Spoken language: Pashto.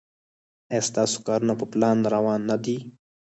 ایا ستاسو کارونه په پلان روان نه دي؟